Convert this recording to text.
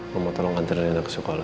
mama tolong antreinnya ke sekolah